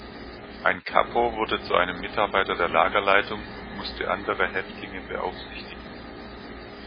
Ein Kapo wurde zu einem Mitarbeiter der Lagerleitung und musste andere Häftlinge beaufsichtigen.